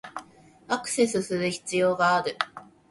アクセスする必要がある